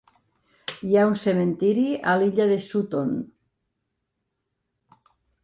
Hi ha un cementiri a l'illa de Sutton.